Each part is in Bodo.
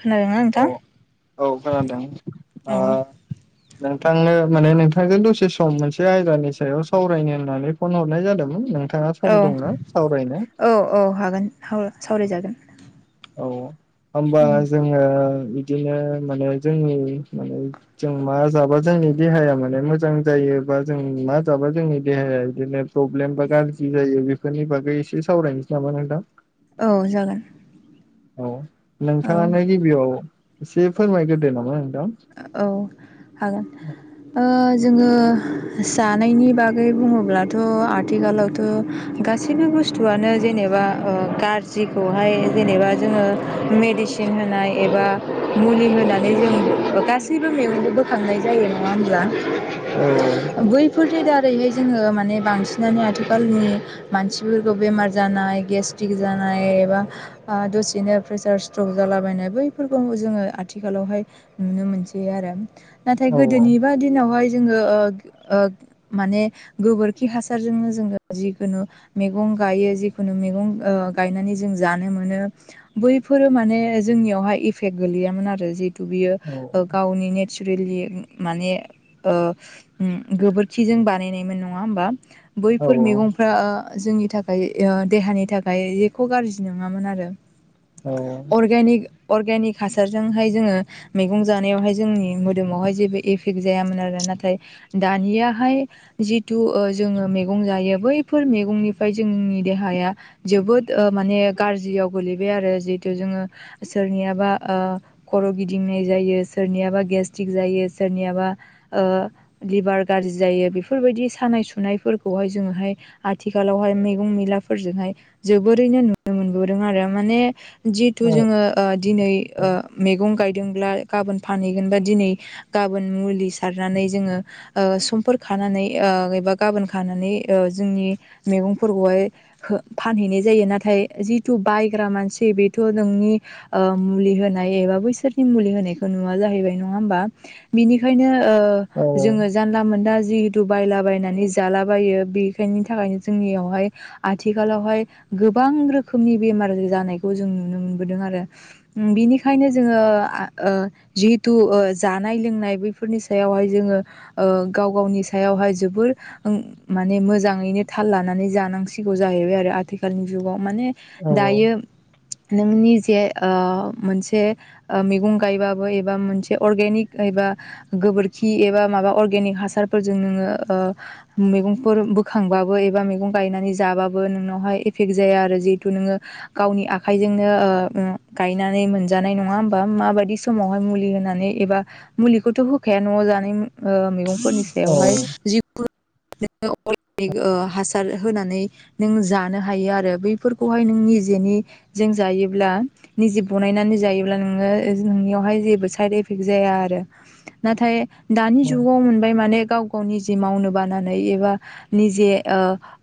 खोनादोंना औ नोंथां औ खोनादों ओ औ नोंथांनो माने नोंथांजों दसे सम मोनसे आयदानि सायाव सावरायनो होननानै फन हरनाय जादोंमोन नोंथां। औ औ औ हागोन औ सावरायजागोन। औ होमबा औ जोङो बिदिनो माने जोंनि माने जों मा जाबा जोंनि देहाया माने मोजां जायो जों मा जाबा जोंनि देहाया बिदिनो प्रब्लेम बा गाज्रि जायो बेफोरनि बागै एसे सावराय निसै नामा नोंथां? औ जागोन। औ औ नोंथाङानो गिबियाव एसे फोरमायग्रोदो नामा नों औ हागोन ओ जोङो जानायनि बागै बुङोब्लाथ' आथिखालावथ' गासैबो बुस्थुआनो जेनेबा ओ गाज्रिखौहाय जेनेबा जोङो मेदिसिन होनाय एबा मुलि होनानै जों गासैबो मेगंखो बोखांनाय जायो नङा होमब्ला औ बैफोर दारैनो जोङो माने बांसिनानो आथिखालनि मानसिफोरखौ बेमार जानाय गेस्ट्रिक जानाय एबा ओ दसेनो प्रेसार स्ट्रक जालाबायनाय बैफोरखौ जोङो आथिखालाव नुनो मोनसै आरो नाथाय औ औ गोदोनिबा दिनावहाय जोङो ओ ओ माने गोबोरखि हासारजोंनो जोङो जिखुनु मेगं गायो जिखुनु मैगं ओ गायनानै जों जानो मोनो बैफोर माने जोंनियावहाय इफेक गोलैयामोन आरो जिहेतु बेयो गावनि नेत नेसुरेलि माने ओ उम गोबोरखिजों बानायनायमोन नङा होमबा? औ बैफोर मैगंफ्रा ओ जोंनि थाखाय ओ देहानि थाखाय एख' गाज्रि नङामोन आरो। औ। अर्गेनिक अर्गेनिक हासारजोंहाय जोङो मे गं जानायावहाय जोंनि मोदोमावहाय जेबो इफेक्ट जायामोन आरो नाथाय दानियाहाय जिथु जोङो मैगं जायो बैफोर मैगंनिफ्राय जोंनि देहाया जोबोद माने गाज्रियाव गोलैबाय आरो जिहेथु जोङो सोरनियाबा ओ खर' गिदिंनाय जायो सोरनियाबा गेस्तिक जायो सोरनियाबा ओ लिबार गाज्रि जायो बेफोर दि सानाय सुनायफोरखौहाय जोङोहाय आथिखालावहाय मैगं मैलाफोरजोंहाय जोबोरैनो नुनो मोनबोदों आरो। माने औ जिथु जोङो दिनै मैगं गायदोंब्ला गाबोन फानहैगोन बा दिनै गाबोन मुलि सारनानै जोङो समफोर खानानै एबा गाबोन खानानै जोंनि मैगंफोरखौहाय फानहैनाय जायो। नाथाय जिथु बायग्रा मानसि बेथ' नोंनि मुलि होनाय एबा बैसोरनि मुलि होनाय नुवा जाहैबाय नङा होमबा? बिनिखायनो जोङो जानला मोनला जा जिहेतु बायलाबायनानै जालाबायो बेखायनि थाखायनो जोंनियावहाय आथिखालावहाय गोबां रोखोमनि बेमार जानायखौ जों नुनो मोनबोदों आरो। बिनिखायनो जोङो ओ जिहेथु जानाय लोंनाय बैफोरनि सायावहाय ओ जोङो गाव गावनि सायाव बेवहाय जोबोर माने मोजाङैनो थाल लानानै जानांसिगौ जाहैबाय आरो आथिखालनि जुगाव माने दायो नोंनि जे मोनसे मैगं गायबाबो एबा मोनसे अर्गेनिक एबा गोबोरखि एबा माबा अर्गेनिक हासारफोरजों नोङो ओ मैंफोर बोखांबाबो एबा मैगं गायनानै जाबबो नोंनावहाय एफेक जाया। आरो जेहुटु नोङो गावनि आखजोंनो ओ गायनानै मोनजानाय नङा होमबा माबायदि समावहाय मुलि होनानै एबा मुलिखौथ' होखाया न' जानाय ओ मैगं फोरनि सायावहाय जि [inaudible] नोङो अर्गेनिक हासार होनानै नों जानो हायो आरो बैफोरखौहाय नों नि जेन नि जों जायोब्ला निजि बनायनानै जायोब्ला नोंङो नोंनियावहाय जेबो साइद इफेक्ट जाया आरो। नाथाय दानि जुगाव मोनबाय माने गाव गाव नि जि मावनो बानानै एबा निजे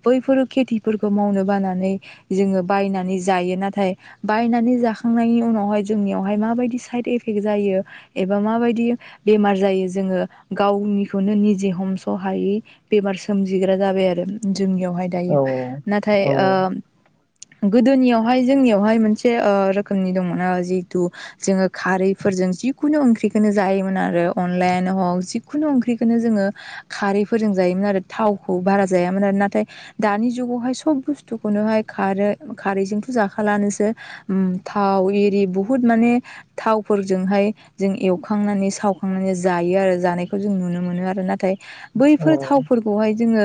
बैफोर खेथिफोरखौ मावनो बाना नानै जोंङो बायनानै जायो नाथाय बायनानै जाखांनायनि उनावहाय जोंनिहाव हाय मा बायदि साइद इफेक् जायो एबा म बायदि बेमार जायो जोङो गावनिखौनो निजे हम सहायै बेमार सोमजिग्रा जाबाय आरो जोंनियावहाय दायो नाथाय औ गोदोनियावहाय जोंनियावहाय मोनसे रोखोमनि दङमोन जिहतु जोङो खारैफोरजों जिखुनु ओंख्रिखौनो जायोमोन आरो अनलइन हक जिखुनु ओंख्रिखौनो जोङो खारैफोरजों जायोमोन आरो थावखौ बारा जायामोन आरो नाथाय दानि जुगावहाय सब बुस्थुखौनो खार खारैजोंथ' जाखालानोसो थाव एरि बुहुत माने थावफोरजोंहाय जों एवखांनानै सावखांनानै जायो आरो जानायखौ जों नुनो मोनो आरो नाथाय औ बैफोर थावफोरखौहाय जोङो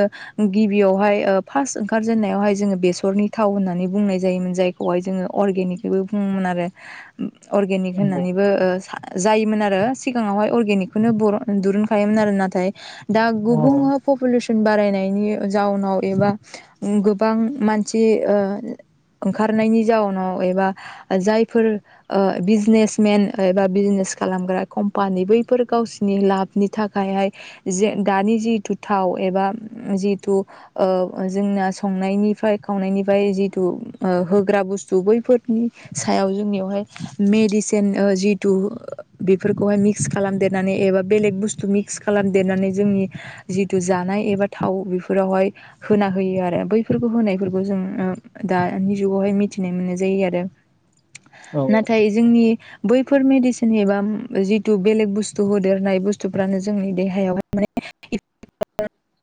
गिबियावहाय फास ओंखारजेनायावहाय बेसर नखरनि थाव होननानै बुंनाय जायोमोन जायखौाय जोङो अनिबो बुोमोन आरो। अरगेनिक हागोन होननानैबो जायोमोन आरो सिगाङावहाय अर्गेनिकखौनो दुरुनखायोमोन आरो नाथाय दा गुबुं पपुलेसन बारायनायनि जाउनाव एबा गोबां मानसि होयो ओ ओंखारनायनि जाउनाव एबा जायफोर ओ बिजनेस मेन एबा बिजनेस खालामग्रा कम्पानि बैफोर गावसिोरनि लाबनि थाखायहाय जे दानि जिहथु थाव एबा जिहथु जोंना संनायनिफ्राय खावनायनि जिहथु ओ होग्रा बुस्तु बैफोरनि सायाव जोंनियावहाय मेदिसिन जिथु बेफोरखौहाय मिक्स खालामदेरनानै एबा बेलेग बुस्थु मिक्स खालामदेरनानै जोंनि जितु जानाय एबा थाव बेफोरावहाय होना होयो आरो बैफोरखौ होनायफोरखौ जों ओ दानि जुगावहाय मिथिनाय मोननाय जायो आरो। नाथाय जोंनि बैफोर मेडिसिन एबा जिथु बेलेग बुस्थु होदेरनाय बुस्थुफ्रानो जोंनि देहायावाय माने [inaudible]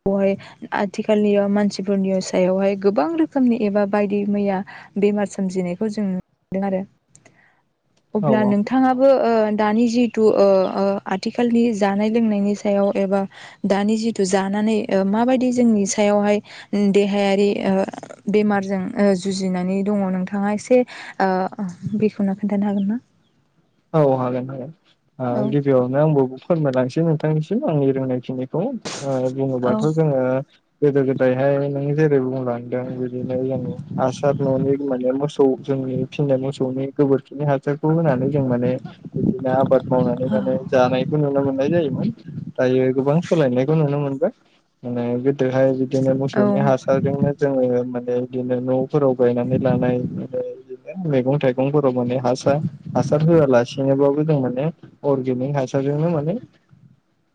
बेवहाय आथिखालयाव मानसिफोरनि सायावहाय गोबां रोखोमनि एबा बायदि मैया [unintelligible] बेमार सोमजिनायखौ जों नुदों आरो। [inaudible] अब्ला नोंथाङाबो ओ दानि जिु ओ-ओ आथिखालनि जानाय लोंनायनि सायाव एबा दानि जिथु जानाय माबादि जोंनि सायावहाय देहायारि ओ बेमारजों ओ जुजिनाय दङ नोंथाङा एसे ओ बेखवनो खिथानो हागोन ना? औ हागोन हागोन औ गिबियावनो आंबो फोरमायलांसै नोंथांनिसिम आंनि रोंनायखिनिखौ बुङोबाथ' औ जोङो गोदो गोदायहाय जेरै बुंलांदों बिदिनो जों हासार न'नि माने मोसौ जोंनि फिननाय मोसौनि गोबोरखिनि हाफारखौ जों माने बिदिनो आबाद औ मावनानै माने जानायखौ नुनो मोननाय जायोमोन। दायो गोबां सोलायनायखौ नुनो मोनबाय माने गोहाय बिदिनो मोसौनि हासारजोंनो जोङो मोन बिदिनो न'फोराव गायनानै लानाय म बिदिनो मैगं थाइगंफोराव माने हासार हासार होआलासेनोबाबो जों माने अर्गेनिक हासारजोंनो माने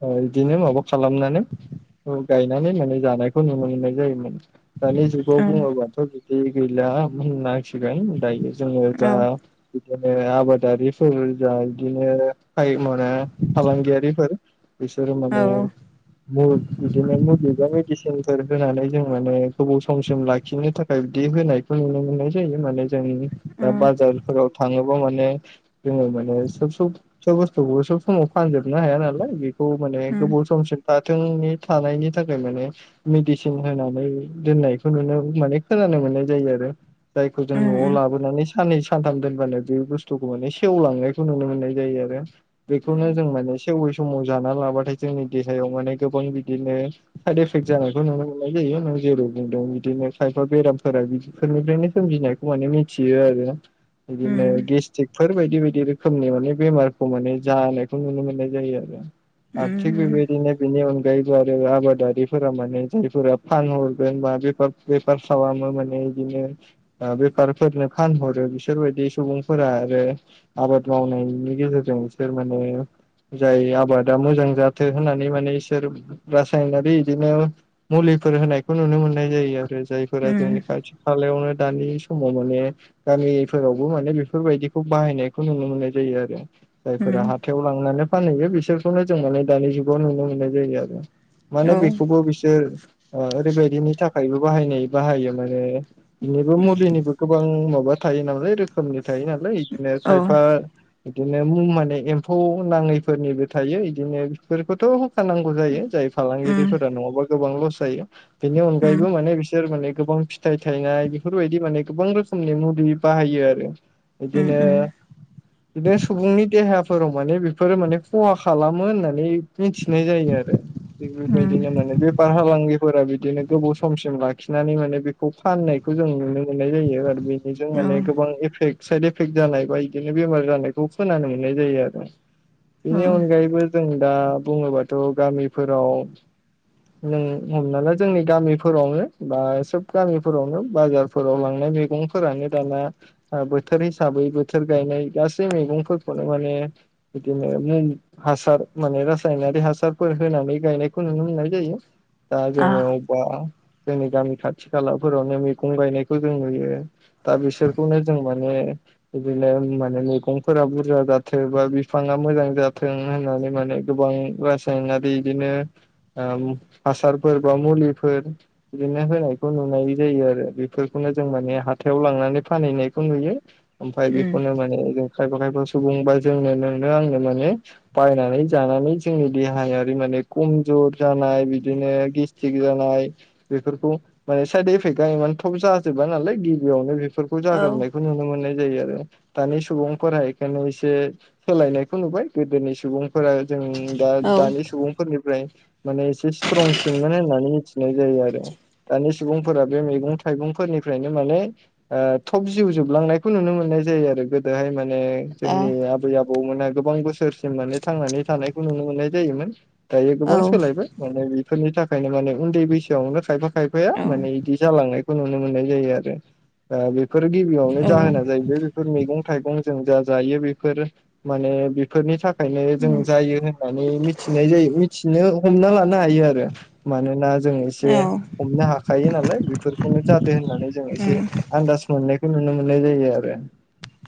ओ बिदिनो माबा खालामनानै गायनानै माने जानायखौ नुनो मोननाय जायोमोन। दानि जग बुंङो बाथ' बिदि गैला मोन गोन दायो जोङो जा बिदिनो आबादारिफोर जा बिदिनो माने फालांगियारिफोर बिसोर माने मु बिदिनो मुुलिब मेदिसिन फोर होनानै जों माने गोबाव समसिम लाखिनो थाखाय बिदि होनायखौ नुनो मोननाय जायो माने जों बाजारफोराव थाङोबा माने जोङो माने सब सब सब बुस्थुखौबो सब समाव फानजोबनो हाया नालाय औ माने गोबाव सम दाथोंनि थानायनि थाखाय माने मेडिसिन होनानै दोननायखौ नुनो माने खोन मोननाय जायो आरो जायखौ जों न'आव लाबोनानै साननै सानथाम दोनबानो बे बुसथु बथ सेवलांनाय नुनो मोननाय जायो आरो बेखौनो जों माने सेव समाव जाना लाबाथाय जोंनि देहायाव माने गोबां बिदिनो साइद इफेक्ट जानायखौ नुनो मोननाय जायो जेरै बुंदों बिदिनो खायफा बेरामफोरा बिफोरनिफ्रायनो सोमजिनायखौ माने मिथियो आरो बिदिनो गेस थिगफोर बायदि बायदि रोखोमनि माने बेमारखौ माने जानायखौ नुनो मोननाय जायो आरो आरो थिक बिबदि बिनि अनगायै अनगायैबो आरो आबादारिफोरा माने जायफोरा फानहरगोन बा बे बेफार खालामो माने बिदिनो बेफारफोरनो फानहरो बिसोरबायदि सुबुं फोर आरो आबाद मावनायनि गेजेरजों बिसोर माने जाय आबादा मोजां जाथों होननानै माने इसोर रासायनारि बिदिनो मुलि फोर होनायखौ नुनो मोननाय जायो आरो जायफोरा जोंनि खाथि खालायावनो दानि समाव माने गामिफोरावबो माने बे बेफोरबायदिखौ बाहायनायखौ नुनो मोननाय जायो आरो जायफोरा हाथाइयाव लांनानै फानहैयो बिसोरखौनो जों माने दानि जुगाव नुनो मोननाय जायो आरो माने बेखौबो बिसोर ओरैबायदिनि थाखायबो बाहायनाय बाहायो माने बिनिबो मुलिनिबो गोबां माबा माबबा थायो नालाय रोखोमनि थायो नालाय बिदिनो खायफा बिदिनो मुं माने एम्फौ नांङैफोरनिबो थायो इदिनो बेफोरखौथ' खालामनांगौ जायो जाय फालांगिरिफोरा नंङाबा गोबां लस जायो बेनि अनगायैबो माने बिसोर माने गोबां फिथाइ थायनाय बेफोरबायदि माने गोबां रोखोमनि मुलि बाहायो आरो बिदिनो बिदिनो सुबुंनि देहाफोराव माने बेफोरो माने खहा खालामो होननानै मिथिनाय जायो आरो आरो थि बेबायदिनो माने बेफार फालांगिफोरा बिदिनो गोबाव समसिम लाखिनानै माने बेखौ फाननायखौ जों नुनो मोननाय जायो आरो बेनिजों माने गोबां एफेक्ट साइद इफेक्ट जानाय बा बिदिनो बेमार जानायखौ खोनानो मोननाय जायो आरो बेनि अनगायैबो जों दा बुंङोबाथ' गामिफोराव नों हमना ला जोंनि गामिफोरावनो बा सोब गामिफोरावनो बाजारफोराव लांनाय मैगंफोरानो दानियान बो थोर हिसाबै बोथोर गायनाय गासै मैगंफोरखौनो माने बिदिनो मुं हासार माने रासायनारि हासारफोर होनानै गायनायखौ नुनो मोननाय जायो। दा जों अबा जोंनि गामि खाथि खालाफोरावनो मैगं गायनायखौ जों नुयो। दा बिसोरखौनो जों बिदिनो माने मैगंफोरा बुरजा जाथों बा बिफांङा मोजां जाथों होनना नै माने गोबां रासायारि बिदिनो ओ हासारफोर बा मुलिफोर बिदिनो होनायखौ नुनाय जायो आरो। बेफोरखौनो जों माने हाथायाव लांनानै फानहैनाय खौ नुयो ओमफ्राय बेखौनो माने जों खायफा खायफा सुबुंबा जोंनो नोंनो आंनो माने बायनानै जानानै जोंनि देहायारि माने खमजर जानाय बिदिनो गेस्थिक जानाय बेफोरखौ माने साइद इफेक्ट थब जाजोबा नालाय गिबियावनो बेफोरखौ जाग्रोनाय मोनाय जायो आरो दानि सुबुंफोरा इखायनो एसे सोलायनायखौ नुबाय गोदोनि सुबुंफोरा जों दा दानि सुबुंफोरनिफ्राय माने एसे स्ट्रंसिनमोन होननानै मिथिनाय जायो आरो दानि सुबुंफोरा बे मैगं थाइगं फोरनिफ्रायनो माने ओ थ'ब जिउ जोबलांनायखौ नुनो मोननाय जायो आरो गोदोहाय माने जोंनि आबै आबौमोनहा गोबां बोसोरसिम माने थांनानै थानायखौ नुनो मोननाय जायोमोन दायो गोबां सोलायबाय माने बेफोरनि थाखायनो माने उनदै बैसोआवनो खायफा खायफाया माने बिदि जालांनायखौ नुनो मोननाय जायो आरो। दा बे बेफोर गिबियावनो जाहोना जाहैबाय बेफोर मैगं थाइगं जों जा जायो बेफोर माने बेफोरनि थाखायनो जों जायोहोनानै मिथिनाय जायो हमना लानो हायो आरो मानोना जों एसे हमनो हाखायो नालाय बेफोरखौनो जों जादों होननानै जों एसे आन्दाज मोननायखौ नुनो मोननाय जायो आरो।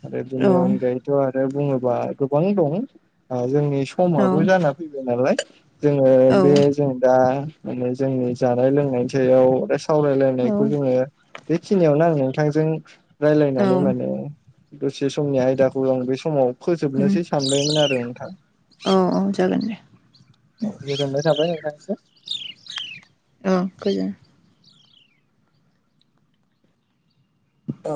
आरो बिनि अनगायैथ' आ बुंङोबा गोबां दं जोंनि समाबो जाना फैबाय नालाय जोंङो बे जों दा माने जोंनि जानाय लोंनायनि सायाव सावरायलायनायखौ जोंङो बेखिनियावनो आं नोंथांजों राय्लायनानै माने दसे समनि आयदाखौ आं बे समाव फोजोबनोसै सानबायमोन आरो नोंथां अ जागोन दे। औ गोजोननाय थाबाय नोंथांनिसिम। आ गोजोन ओ